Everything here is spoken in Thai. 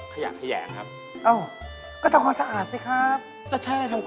จะใช้อะไรทำความสะอาดน่ะพี่